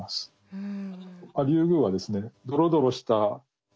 うん。